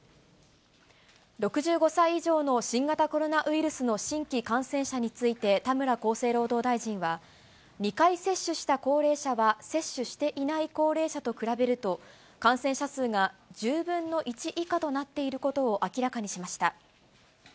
６５歳以上の新型コロナウイルスの新規感染者について、田村厚生労働大臣は、２回接種した高齢者は接種していない高齢者と比べると、感染者数が１０分の１以下となっていることを明らかにしました。